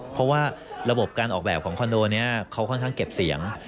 เพราะว่าระบบการออกแบบของคอนโดนี้เขาค่อนข้างเก็บเสียง